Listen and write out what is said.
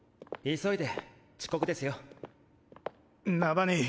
急いで遅刻ですよ。なぁバニー